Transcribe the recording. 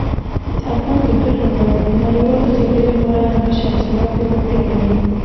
د افغان کرکټ لوبغاړي د نړیوالو سیالیو لپاره همیش حوصله او پیاوړتیا لري.